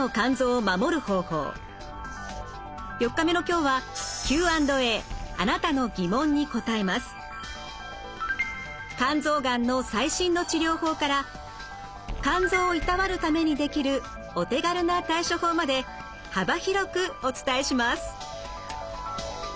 ４日目の今日は肝臓がんの最新の治療法から肝臓をいたわるためにできるお手軽な対処法まで幅広くお伝えします。